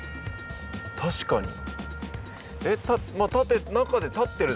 確かに。